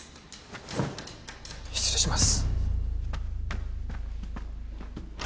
失礼します